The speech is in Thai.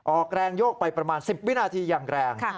ออกแรงโยกไปประมาณ๑๐วินาทีอย่างแรง